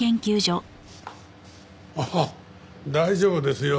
ああ大丈夫ですよ。